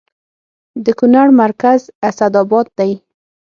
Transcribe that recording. د کونړ مرکز اسداباد دی